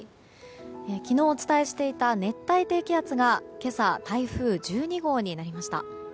昨日、お伝えしていた熱帯低気圧が今朝、台風１２号になりました。